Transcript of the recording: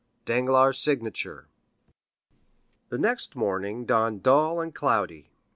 Danglars' Signature The next morning dawned dull and cloudy.